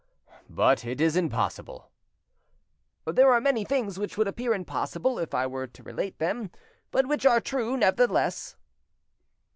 "But it is impossible." "There are many things which would appear impossible if I were to relate them, but which are true, nevertheless."